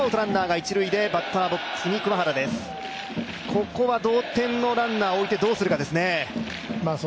ここは同点のランナー置いてどうするかですね。